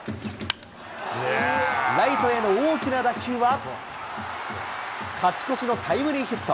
ライトへの大きな打球は、勝ち越しのタイムリーヒット。